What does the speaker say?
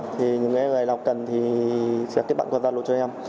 thì những người nào cần thì sẽ kết bạn qua giao lộ cho em